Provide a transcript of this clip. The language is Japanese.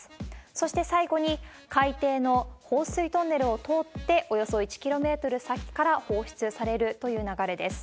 そして最後に、海底の放水トンネルを通って、およそ１キロメートル先から放出されるという流れです。